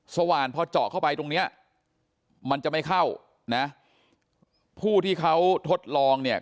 สว่านพอเจาะเข้าไปตรงเนี้ยมันจะไม่เข้านะผู้ที่เขาทดลองเนี่ย